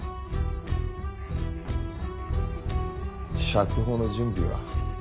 釈放の準備は？